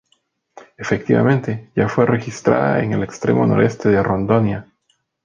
Efectivamente, ya fue registrada en el extremo noreste de Rondônia.